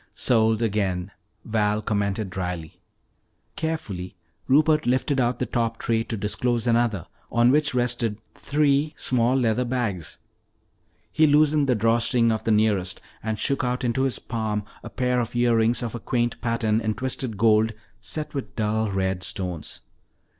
"Sold again," Val commented dryly. Carefully Rupert lifted out the top tray to disclose another on which rested three small leather bags. He loosened the draw string of the nearest and shook out into his palm a pair of earrings of a quaint pattern in twisted gold set with dull red stones.